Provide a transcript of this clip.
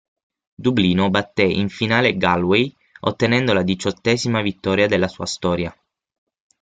Dublino batté in finale Galway ottenendo la diciottesima vittoria della sua storia.